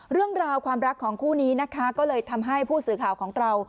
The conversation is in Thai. เรื่องราวความรักของคู่นี้นะคะก็เลยทำให้ผู้สื่อข่าวของเรา